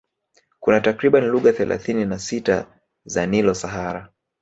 Kuna takriban lugha thelathini na sita za Nilo Sahara